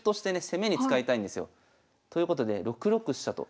攻めに使いたいんですよ。ということで６六飛車と。